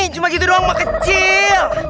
cuma gitu doang mah kecil